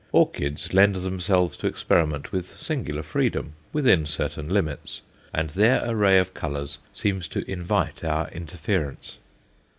Orchids lend themselves to experiment with singular freedom, within certain limits, and their array of colours seems to invite our interference.